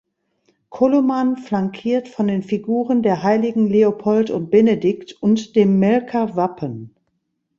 Koloman flankiert von den Figuren der Heiligen Leopold und Benedikt und dem Melker Wappen.